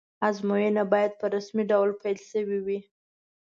ازموینه باید په رسمي ډول پیل شوې وی.